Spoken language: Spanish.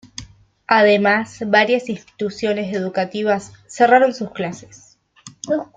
Además varias instituciones educativas cerraron sus clases.